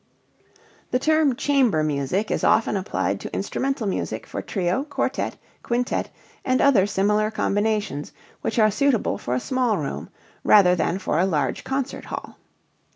The term chamber music is often applied to instrumental music for trio, quartet, quintet, and other similar combinations which are suitable for a small room rather than for a large concert hall.